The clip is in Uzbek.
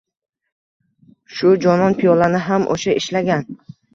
Shu jonon piyolani ham o‘sha ishlagan